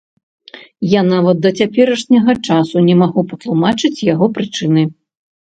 Я нават да цяперашняга часу не магу патлумачыць яго прычыны.